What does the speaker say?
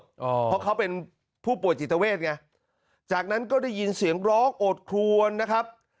เพราะเขาเป็นผู้ป่วยจิตเวทไงจากนั้นก็ได้ยินเสียงร้องโอดครวนนะครับ